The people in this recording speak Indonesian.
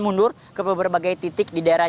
mundur ke berbagai titik di daerah